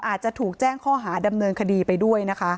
อาจจะถูกแจ้งข้อหาดำเนินคดีไปด้วยนะคะ